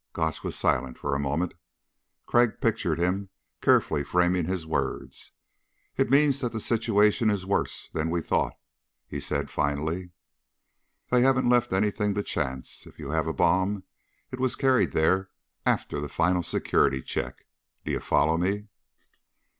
Gotch was silent for a moment. Crag pictured him carefully framing his words. "It means that the situation is worse than we thought," he said finally. "They haven't left anything to chance. If you have a bomb, it was carried there after the final security check. Do you follow me?"